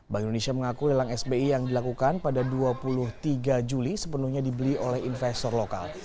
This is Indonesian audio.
bank indonesia mengaku lelang sbi yang dilakukan pada dua puluh tiga juli sepenuhnya dibeli oleh investor lokal